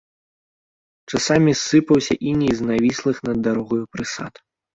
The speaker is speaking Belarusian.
Часамі сыпаўся іней з навіслых над дарогаю прысад.